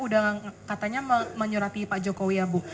udah katanya menyurati pak jokowi ya bu